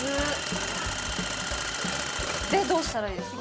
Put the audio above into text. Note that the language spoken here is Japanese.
◆で、どうしたらいいですか。